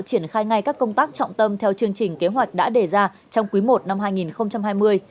triển khai ngay các công tác trọng tâm theo chương trình kế hoạch đã đề ra trong quý i năm hai nghìn hai mươi